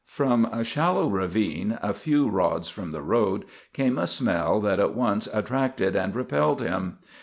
From a shallow ravine a few rods from the road came a smell that at once attracted and repelled him.